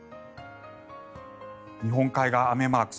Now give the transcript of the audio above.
日本海側、雨マーク。